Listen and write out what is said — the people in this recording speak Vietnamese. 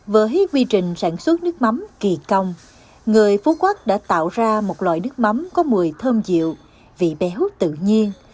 với quy trình sản xuất nước mắm kỳ công người phú quốc đã tạo ra một loại nước mắm có mùi thơm dịu vị bé hút tự nhiên